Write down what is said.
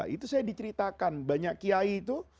itu saya diceritakan banyak kiai itu